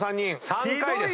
３回です。